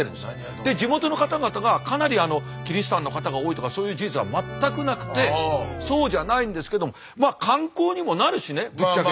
で地元の方々がかなりキリシタンの方が多いとかそういう事実は全くなくてそうじゃないんですけどもまあ観光にもなるしねぶっちゃけ。